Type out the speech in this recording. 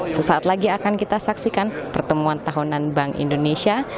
sesaat lagi akan kita saksikan pertemuan tahunan bank indonesia